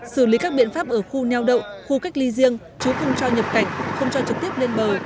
xử lý các biện pháp ở khu neo đậu khu cách ly riêng chứ không cho nhập cảnh không cho trực tiếp lên bờ